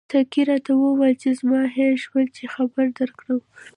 ساقي راته وویل چې زما هېر شول چې خبر درکړم.